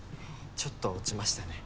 ちょっと落ちましたね。